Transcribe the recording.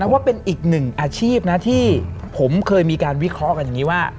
ว่าเป็นอีกหนึ่งอาชีพนะที่ผมเคยมีการวิเคราะห์กันอย่างนี้ว่า